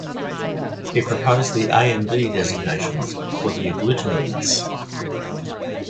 He proposed the A and B designations for the agglutinins.